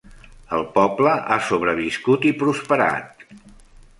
El poble ha sobreviscut i prosperat.